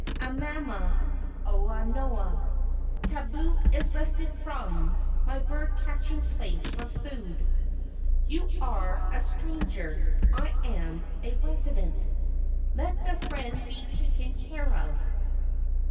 Amama ua noa. Tabu is lifted from My bird catching place for food. You are a stranger, I am a resident. Let the friend be taken care of.